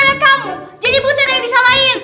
gara gara kamu jadi butir yang disalahin